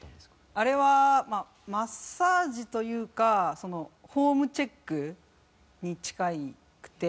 あれはまあマッサージというかフォームチェックに近くて。